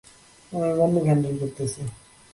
আমি বন্দুক হ্যান্ডেল করতেছি।